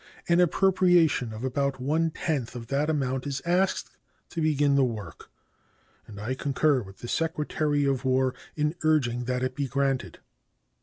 An appropriation of about one tenth of that amount is asked to begin the work, and I concur with the Secretary of War in urging that it be granted.